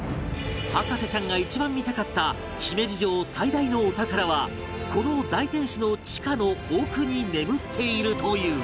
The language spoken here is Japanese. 博士ちゃんが一番見たかった姫路城最大のお宝はこの大天守の地下の奥に眠っているという